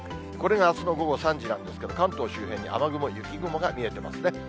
これがあすの午後３時なんですけど、関東周辺に雨雲、雪雲が見えてますね。